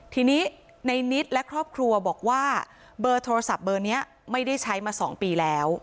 ทีนี้ในนิดและครอบครัวบอกว่าเบอร์โทรศัพท์เบอร์นี้ไม่ได้ใช้มา๒ปีแล้ว